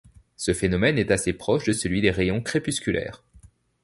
Ce phénomène est assez proche de celui des rayons crépusculaires.